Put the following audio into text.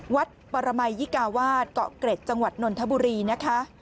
วัดปรมัยยิกาวาสเกาะเกร็ดจังหวัดนนทบุรีนะคะ